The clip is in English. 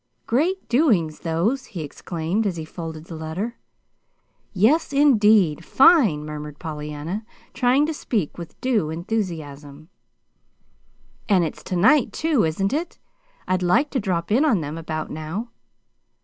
"Great doings those!" he exclaimed, as he folded the letter. "Yes, indeed; fine!" murmured Pollyanna, trying to speak with due enthusiasm. "And it's to night, too, isn't it? I'd like to drop in on them about now."